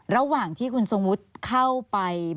ระหว่างที่คุณทรงวุฒิเข้าไป